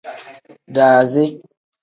Daazi.